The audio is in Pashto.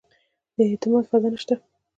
د اعتماد فضا نه شته.